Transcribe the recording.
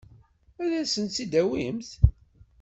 Ad asent-tt-id-tawimt?